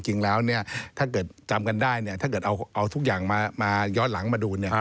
จริงแล้วถ้าเกิดจำกันได้เนี่ยถ้าเกิดเอาทุกอย่างมาย้อนหลังมาดู